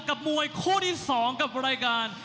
กับมวยคู่ที่๒กับรายการ